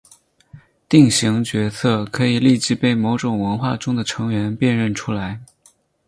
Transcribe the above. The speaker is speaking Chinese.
定型角色可以立即被某个文化中的成员辨认出来。